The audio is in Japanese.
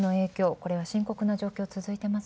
これは深刻な状況が続いてます？